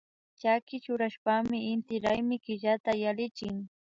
Chaki churashpami inti raymi killata yallinchik